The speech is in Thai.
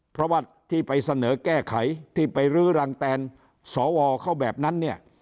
เพราะว่าที่ไปเสนอแก้ไขที่ไปรื้อรังแตนสวเขาแบบนั้นเนี่ย